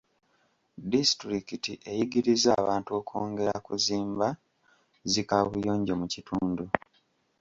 Disitulikiti eyigirizza abantu okwongera kuzimba zi kaabuyonjo mu kitundu.